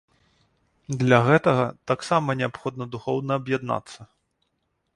Для гэтага таксама неабходна духоўна аб'яднацца.